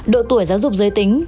độ tuổi giáo dục giới tính